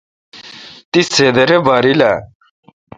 تی سہ درے باریل آ؟